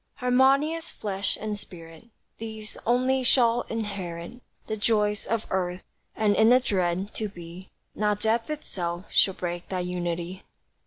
Harmonious flesh and spirit, These only shall inherit The joys of earth, and in the dread To Be Not death itself shall break that unity.